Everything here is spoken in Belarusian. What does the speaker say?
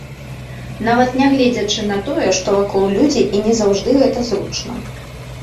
Нават нягледзячы на тое, што вакол людзі і не заўжды гэта зручна.